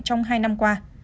trong hai năm qua